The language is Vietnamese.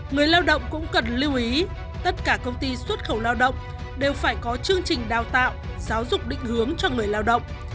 người lao động cũng cần lưu ý tất cả công ty xuất khẩu lao động đều phải có chương trình đào tạo giáo dục định hướng cho người lao động